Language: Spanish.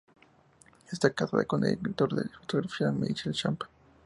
Está casada con el director de fotografía Michael Chapman.